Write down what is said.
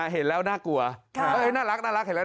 เห็นแล้วน่ากลัว